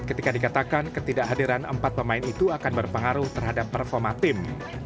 ketika dikatakan ketidakhadiran empat pemain itu akan berpengaruh terhadap performa tim